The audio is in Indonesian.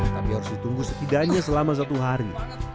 tapi harus ditunggu setidaknya selama satu hari